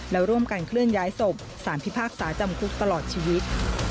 และร่วมกันเคลื่อนย้ายศพสารพิพากษาจำคุกตลอดชีวิต